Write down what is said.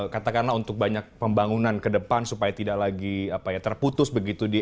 katakanlah untuk banyak pembangunan kedepan supaya tidak lagi apa ya terputus begitu di